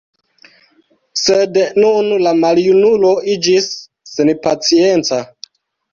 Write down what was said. Sed nun la maljunulo iĝis senpacienca.